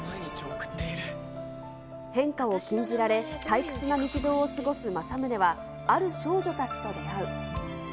変化を禁じられ、退屈な日常を過ごす正宗は、ある少女たちと出会う。